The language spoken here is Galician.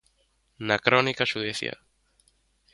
Na crónica xudicial.